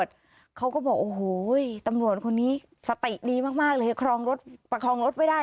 โถ่ะเอ้าไม่มีบอกก่อนเลย